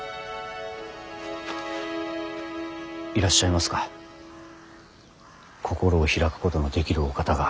いらっしゃいますか心を開くことのできるお方が。